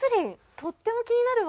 とっても気になるわ。